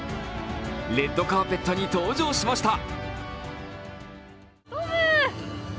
レッドカーペットに登場しました。